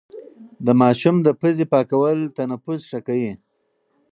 د ماشوم د پوزې پاکول تنفس ښه کوي.